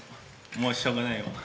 もうしょうがないわ。